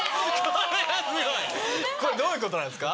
これどういうことなんですか？